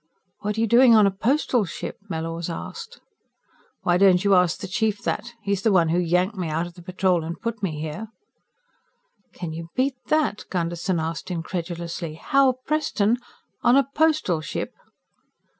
"What are you doing on a Postal ship?" Mellors asked. "Why don't you ask the Chief that? He's the one who yanked me out of the Patrol and put me here." "Can you beat that?" Gunderson asked incredulously. "Hal Preston, on a Postal ship."